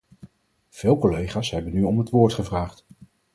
Veel collega's hebben nu om het woord gevraagd.